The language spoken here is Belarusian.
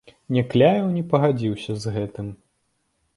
Някляеў не пагадзіўся з гэтым.